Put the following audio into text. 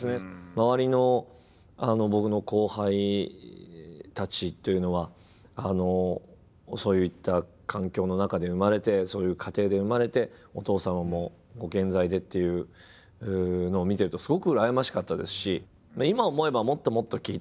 周りの僕の後輩たちというのはそういった環境の中で生まれてそういう家庭で生まれてお父様もご健在でっていうのを見てるとすごく羨ましかったですし。